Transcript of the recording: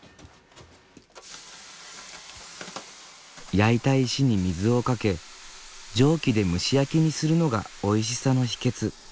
焼いた石に水をかけ蒸気で蒸し焼きにするのがおいしさの秘けつ。